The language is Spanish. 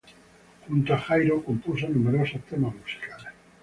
Junto a Jairo compuso numerosos temas musicales.